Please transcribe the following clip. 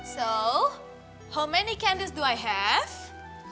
jadi berapa banyak kandis yang aku punya